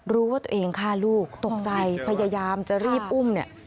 รู้ว่าตัวเองฆ่าลูกตกใจพยายามจะรีบอุ้มเนี่ย